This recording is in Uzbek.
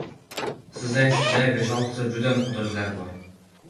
Sizday-sizday besh-oltita juda muhtojlar bor.